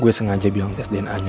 gue sengaja bilang tes dna nya